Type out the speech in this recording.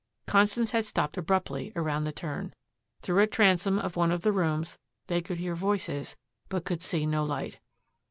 Constance had stopped abruptly around the turn. Through a transom of one of the rooms they could hear voices but could see no light.